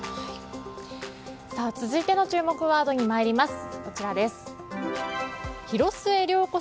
続いての注目ワードに参ります。